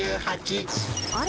あれ？